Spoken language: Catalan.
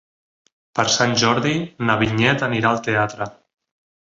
Per Sant Jordi na Vinyet anirà al teatre.